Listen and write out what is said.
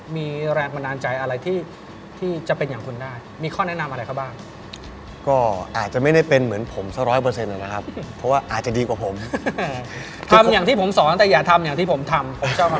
มีแรงบันดาลใจอะไรที่จะเป็นอย่างคุณได้มีข้อแนะนำอะไรคะบ้างก็อาจจะไม่ได้เป็นเหมือนผม๑๐๐นะครับเพราะว่าอาจจะดีกว่าผมทำอย่างที่ผมสอนแต่อย่าทำอย่างที่ผมทำ